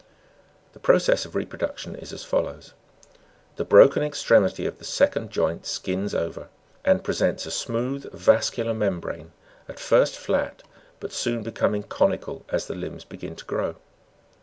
The process of reproduction is as follows: the broken extremity of the second joint skins over, arid presents a smooth vascular membrane, at first flat, but soon becoming conical as the limb begins to grow.